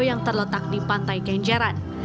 yang terletak di pantai kenjaran